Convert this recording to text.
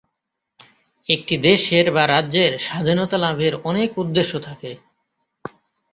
একটি দেশের বা রাজ্যের স্বাধীনতা লাভের অনেক উদ্দেশ্য থাকে।